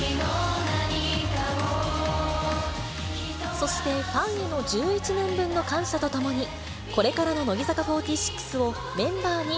そしてファンへの１１年分の感謝とともに、これからの乃木坂４６